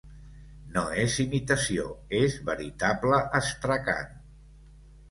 No és imitació: és veritable astracan.